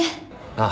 ああ。